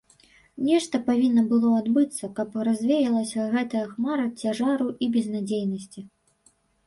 Нешта павінна было адбыцца, каб развеялася гэтая хмара цяжару і безнадзейнасці.